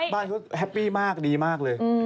บ้านเขาแฮปปี้มากดีมากเลย